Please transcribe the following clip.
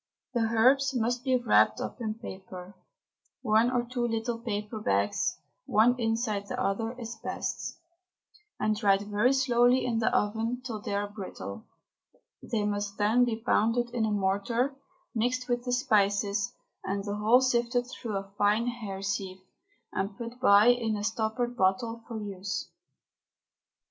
The herbs must be wrapped up in paper (one or two little paper bags, one inside the other, is best), and dried very slowly in the oven till they are brittle. They must then be pounded in a mortar, and mixed with the spices, and the whole sifted through a fine hair sieve and put by in a stoppered bottle for use.